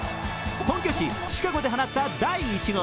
本拠地シカゴで放った第１号。